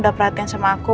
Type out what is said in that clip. udah perhatian sama aku